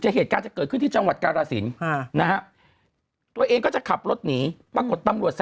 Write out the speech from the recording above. เหตุการณ์จะเกิดขึ้นที่จังหวัดกาลสินนะฮะตัวเองก็จะขับรถหนีปรากฏตำรวจ